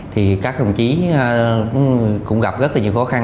thì các đồng chí cũng gặp rất là nhiều khó khăn